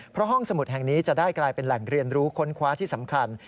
เพราะห้องสมุดแห่งนี้จะได้กลายเป็นแหล่งเรียนรู้ค้นคว้าที่สำคัญ